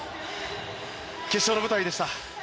決勝の舞台でした。